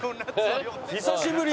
久しぶり！